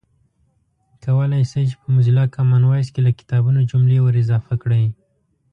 کولای شئ چې په موزیلا کامن وایس کې له کتابونو جملې ور اضافه کړئ